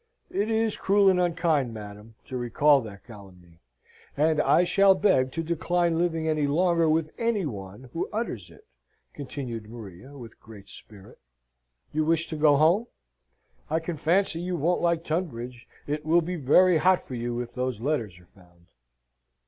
"It is cruel and unkind, madam, to recall that calumny and I shall beg to decline living any longer with any one who utters it," continued Maria, with great spirit. "You wish to go home? I can fancy you won't like Tunbridge. It will be very hot for you if those letters are found."